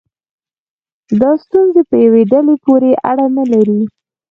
دا ستونزې په یوې ډلې پورې اړه نه لري.